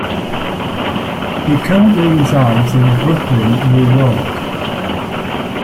He currently resides in Brooklyn, New York.